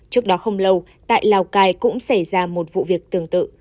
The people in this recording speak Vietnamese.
trước đó không lâu tại lào cai cũng xảy ra một vụ việc tương tự